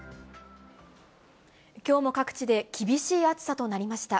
きょうも各地で厳しい暑さとなりました。